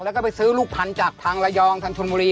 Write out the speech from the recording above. แล้วก็ไปซื้อลูกพันธุ์จากทางระยองทางชนบุรี